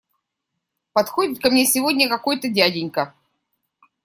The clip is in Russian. Подходит ко мне сегодня какой-то дяденька.